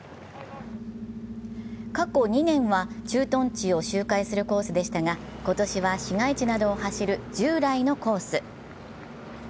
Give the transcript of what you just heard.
過去２年は駐屯地を周回するコースでしたが、今年は市街地などを走る従来のコース。